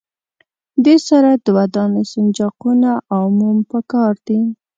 دې سره دوه دانې سنجاقونه او موم پکار دي.